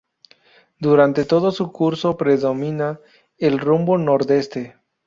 Durante todo su curso predomina el rumbo nordeste.